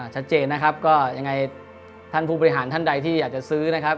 ชัดเจนนะครับก็ยังไงท่านผู้บริหารท่านใดที่อยากจะซื้อนะครับ